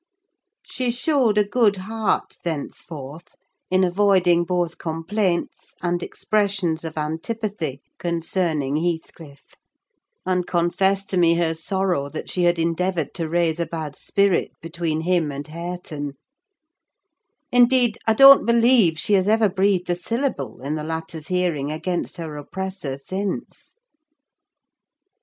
She showed a good heart, thenceforth, in avoiding both complaints and expressions of antipathy concerning Heathcliff; and confessed to me her sorrow that she had endeavoured to raise a bad spirit between him and Hareton: indeed, I don't believe she has ever breathed a syllable, in the latter's hearing, against her oppressor since.